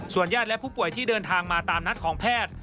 ญาติและผู้ป่วยที่เดินทางมาตามนัดของแพทย์